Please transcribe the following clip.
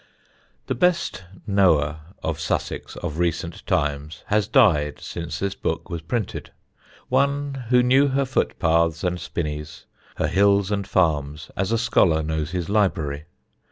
[Sidenote: JOHN HORNE] The best knower of Sussex of recent times has died since this book was printed: one who knew her footpaths and spinneys, her hills and farms, as a scholar knows his library.